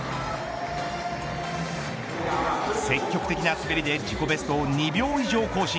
積極的な滑りで自己ベストを２秒以上更新。